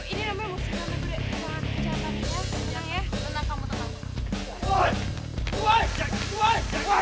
ini namanya musim kandang dede